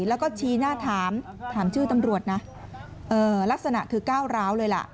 แล้วก็ชี้หน้าถามถามชื่อตำรวจนะลักษณะคือก้าวร้าวเลยล่ะ